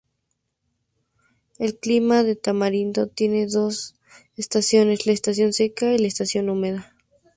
El clima de Tamarindo tiene dos estaciones, la estación seca y la estación húmeda.